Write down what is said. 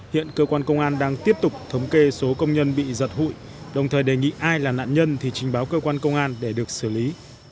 hiện cơ quan công an đang tiếp tục thống kê số công nhân bị giật hụi đồng thời đề nghị ai là nạn nhân thì trình báo cơ quan công an để được xử lý